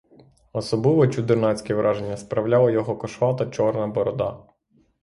Особливо чудернацьке враження справляла його кошлата чорна борода.